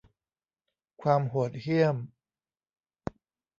ความโหดเหี้ยม